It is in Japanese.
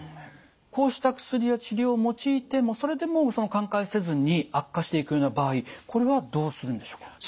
こうした薬や治療を用いてもそれでも寛解せずに悪化していくような場合これはどうするんでしょうか？